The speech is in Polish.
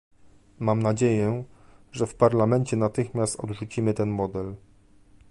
Mam nadzieję, że w Parlamencie natychmiast odrzucimy ten model